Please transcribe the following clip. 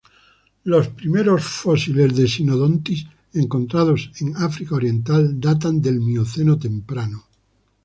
Los primeros fósiles de "Synodontis" encontrados en África Oriental datan del Mioceno temprano.